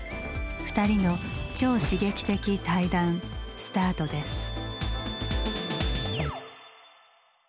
２人の超刺激的対談スタートです。